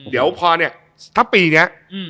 เดี๋ยวพอเนี่ยถ้าปีนี้